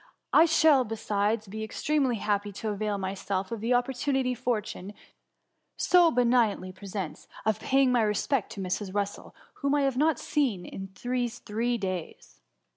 I shall, besides, be extremely happy to avail myself of the opportunity fortune so be nignantly presents, of paying my respects to Mrs. Russel, whom I have not seen these three days.''